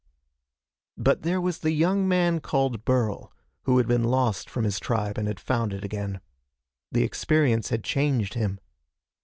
But there was the young man called Burl, who had been lost from his tribe and had found it again. The experience had changed him.